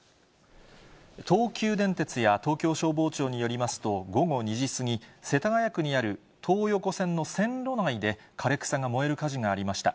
東急電鉄や東京消防庁によりますと、午後２時過ぎ、世田谷区にある東横線の線路内で枯れ草が燃える火事がありました。